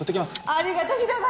ありがとう平林！